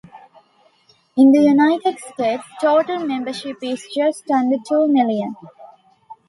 In the United States, total membership is just under two million.